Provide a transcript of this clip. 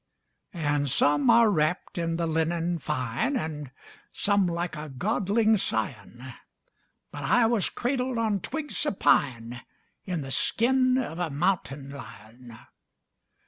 And some are wrapped in the linen fine, And some like a godling's scion; But I was cradled on twigs of pine In the skin of a mountain lion.